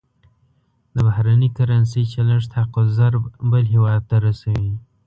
د بهرنۍ کرنسۍ چلښت حق الضرب بل هېواد ته رسوي.